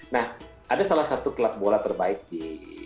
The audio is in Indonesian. nah ada salah satu klub bola terbaik di